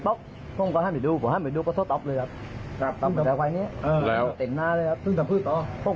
ถูกต้องหาบรูซ่านเข้ามาดูต่อเจ็บหน้าที่หยิบต้อง